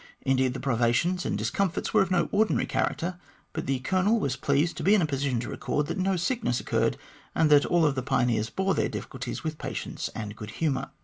Indeed, the privations and discomforts were of no ordinary character, but the Colonel was pleased to be in a position to record that no sickness occurred, and that all the pioneers bore their difficulties with patience and good humour.